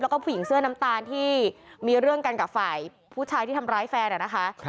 แล้วก็ผู้หญิงเสื้อน้ำตาลที่มีเรื่องกันกับฝ่ายผู้ชายที่ทำร้ายแฟนนะคะ